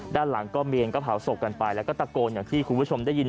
ด้านหลังก็เมนก็เผาศพกันไปแล้วก็ตะโกนอย่างที่คุณผู้ชมได้ยิน